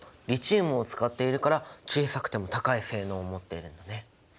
リチウムを使っているから小さくても高い性能を持っているんだね。